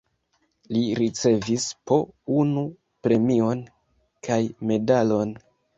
Li ricevis po unu premion kaj medalon.